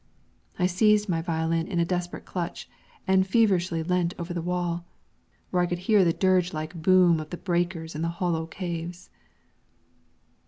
I seized my violin in a desperate clutch, and feverishly leant over the wall, where I could hear the dirge like boom of the breakers in the hollow caves.